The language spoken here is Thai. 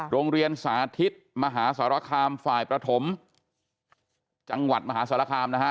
โรงเรียนสาธิตมหาสารคามฝ่ายประถมจังหวัดมหาสารคามนะฮะ